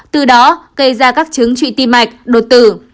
từ đó gây ra các trứng trụi tim mạch đột tử